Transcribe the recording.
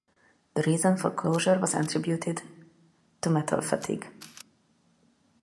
The reason for closure was attributed to metal fatigue.